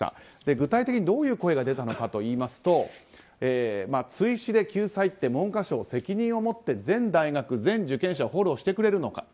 具体的にどういう声が出たのかといいますと追試で救済って文科省、責任を持って全大学、全受験者をフォローしてくれるのか。